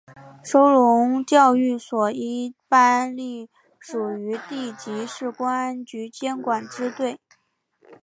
收容教育所一般隶属于地级市公安局监管支队。